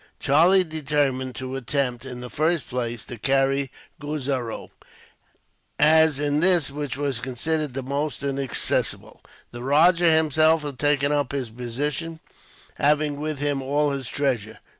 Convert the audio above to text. Charlie determined to attempt, in the first place, to carry Guzarow; as in this, which was considered the most inaccessible, the rajah himself had taken up his position, having with him all his treasure.